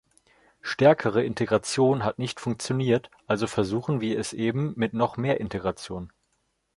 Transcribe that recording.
Stärkere Integration hat nicht funktioniert, also versuchen wir es eben mit noch mehr Integration.